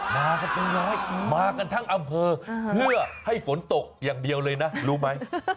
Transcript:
มากันเป็นร้อยมากันทั้งอำเภอเพื่อให้ฝนตกอย่างเดียวเลยนะรู้ไหม